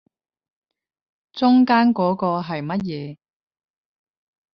中間嗰個係乜嘢